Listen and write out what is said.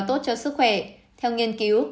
tốt cho sức khỏe theo nghiên cứu